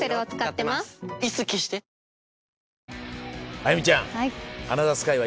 あやみちゃん。